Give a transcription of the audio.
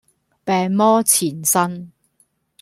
病魔纏身